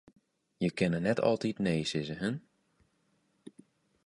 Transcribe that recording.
Je kinne altyd nee sizze, hin.